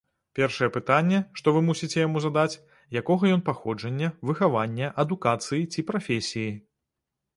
Першае пытанне, што вы мусіце яму задаць, якога ён паходжання, выхавання, адукацыі ці прафесіі.